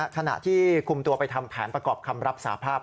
ขณะที่คุมตัวไปทำแผนประกอบคำรับสาภาพ